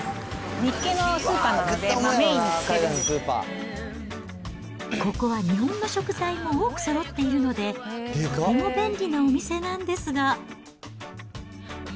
日系のスーパーなので、ここは日本の食材も多くそろっているので、とても便利なお店なんですが。